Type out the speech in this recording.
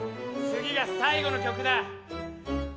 次が最後の曲だ。